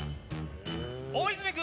大泉君！